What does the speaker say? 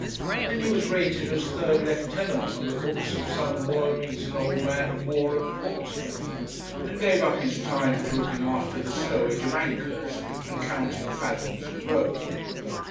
Then he was rated as third lieutenant on the books of some worm eaten old man of war at Portsmouth, and gave up his time to looking after the stowage of anchors, and counting fathoms of rope.